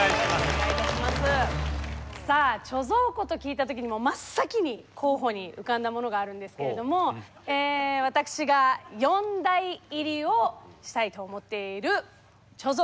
さあ貯蔵庫と聞いた時に真っ先に候補に浮かんだものがあるんですけれども私が四大入りをしたいと思っている貯蔵庫はワイン貯蔵庫です。